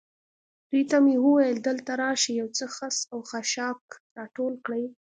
دوی ته مې وویل: دلته راشئ، یو څه خس او خاشاک را ټول کړئ.